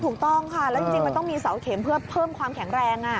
ถูกต้องค่ะแล้วจริงมันต้องมีเสาเข็มเพื่อเพิ่มความแข็งแรง